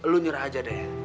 lu nyurah aja deh